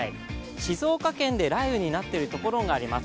静岡県で雷雨になっているところがあります。